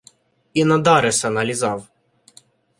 І на Дареса налізав.